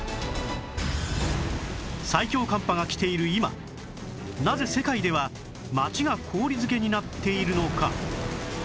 最強寒波が来ている今なぜ世界では街が氷づけになっているのか？